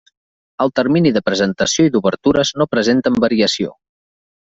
El termini de presentació i d'obertures no presenten variació.